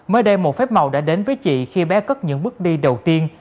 mới đây một phép màu đã đến với chị khi bé cất những bước đi đầu tiên